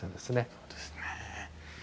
そうですね